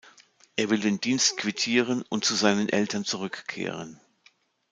Er will den Dienst quittieren und zu seinen Eltern zurückkehren.